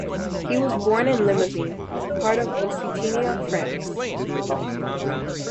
He was born in the Limousin, part of Occitania, France.